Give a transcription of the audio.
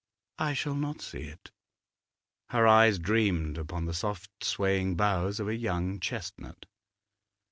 'I shall not see it.' Her eyes dreamed upon the soft swaying boughs of a young chestnut.